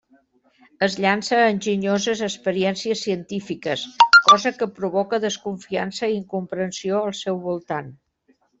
Es llança a enginyoses experiències científiques, cosa que provoca desconfiança i incomprensió al seu voltant.